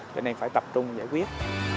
cho nên phải tập trung giải quyết